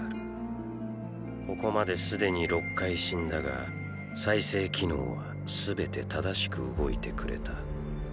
ここまですでに６回死んだが再生機能はすべて正しく動いてくれた。